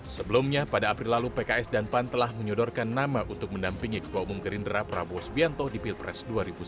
sebelumnya pada april lalu pks dan pan telah menyodorkan nama untuk mendampingi ketua umum gerindra prabowo subianto di pilpres dua ribu sembilan belas